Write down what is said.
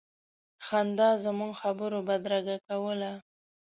خندا زموږ خبرو بدرګه کوله.